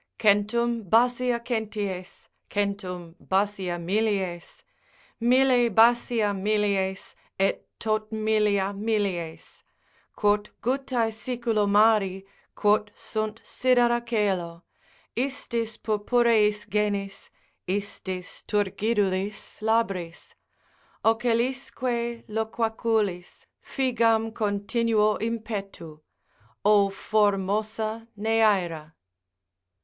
Centum basia centies, Centum basia millies, Mille basia millies, Et tot millia millies, Quot guttae Siculo mari, Quot sunt sidera coelo, Istis purpureis genis, Istis turgidulis labris, Ocelisque loquaculis, Figam continuo impetu; O formosa Neaera.